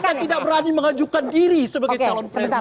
kita tidak berani mengajukan diri sebagai calon presiden